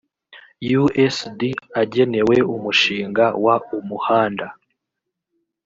usd agenewe umushinga w umuhanda